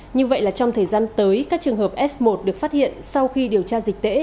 như vậy là trong thời gian tới các trường hợp f một được phát hiện sau khi điều tra dịch tễ